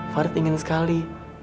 farid ingin sekali